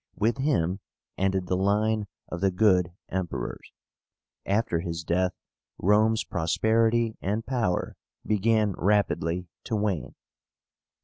With him ended the line of the GOOD EMPERORS. After his death, Rome's prosperity and power began rapidly to wane.